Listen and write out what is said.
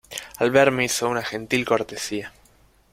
al verme hizo una gentil cortesía